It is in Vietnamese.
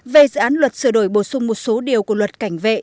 về dự án luật sửa đổi bổ sung một số điều của luật cảnh vệ